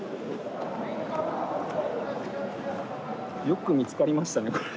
よく見つかりましたねこれ。